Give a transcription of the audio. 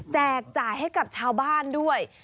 จ่ายให้กับชาวบ้านด้วย